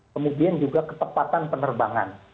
kemudian juga ketepatan penerbangan